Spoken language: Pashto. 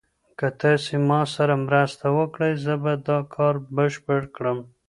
که تاسي ما سره مرسته وکړئ زه به دا کار بشپړ کړم.